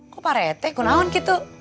kok pak rete gunawan gitu